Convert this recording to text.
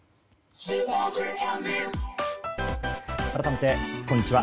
改めて、こんにちは。